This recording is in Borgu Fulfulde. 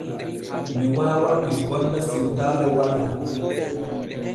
Mi waawan mi golla siwtaare walaa.